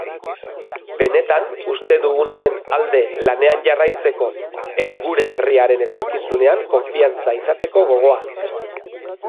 Benetan uste dugunaren alde lanean jarraitzeko eta gure herriaren etorkizunean konfiantza izateko gogoa.